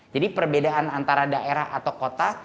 jadi perbedaan antara daerah atau kota